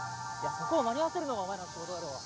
そこを間に合わせるのがお前らの仕事だろう。